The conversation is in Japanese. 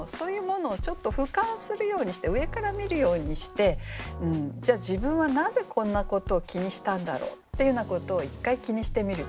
ふかんするようにして上から見るようにしてじゃあ自分はなぜこんなことを気にしたんだろうっていうようなことを一回気にしてみる。